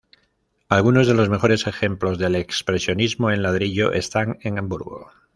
Algunos de los mejores ejemplos del expresionismo en ladrillo están en Hamburgo.